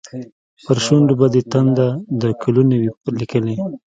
پر شونډو به دې تنده، د کلونو وي لیکلې